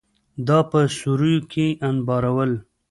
دا په سوریو کې انبارول.